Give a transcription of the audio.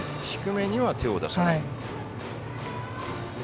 低めには手を出さない。